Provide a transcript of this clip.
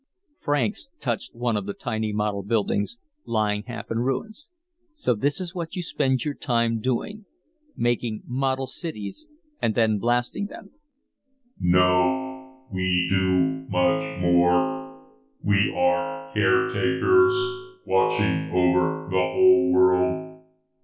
Franks touched one of the tiny model buildings, lying half in ruins. "So this is what you spend your time doing making model cities and then blasting them." "No, we do much more. We are caretakers, watching over the whole world.